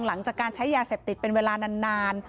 หลังจากการใช้ยาเสพติดเป็นเวลานาน